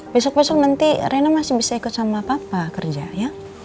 besok besok nanti reno masih bisa ikut sama papa kerja ya